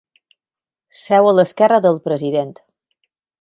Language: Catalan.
Seu a l'esquerra del president.